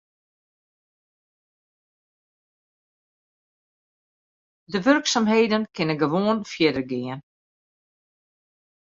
De wurksumheden kinne gewoan fierder gean.